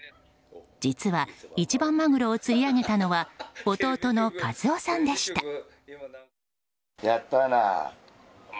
実は一番マグロを釣り上げたのは弟の一夫さんでした。